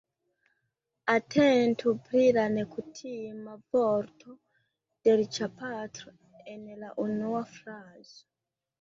Atentu pri la nekutima vorto dolĉapatro en la unua frazo.